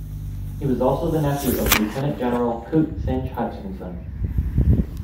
He was also the nephew of Lieutenant General Coote Synge-Hutchinson.